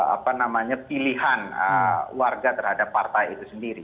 apa namanya pilihan warga terhadap partai itu sendiri